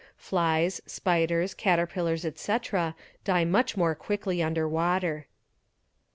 Flies, spiders, caterpillers, etc., die much more quickly under water.